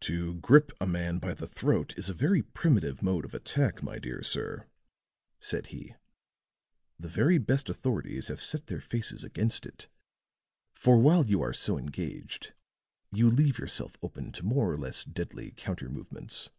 "To grip a man by the throat is a very primitive mode of attack, my dear sir," said he. "The very best authorities have set their faces against it, for while you are so engaged, you leave yourself open to more or less deadly counter movements.